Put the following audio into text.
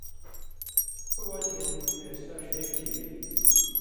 ݜُو وجہۡ ہِن فېصلہ ݜے کیریۡ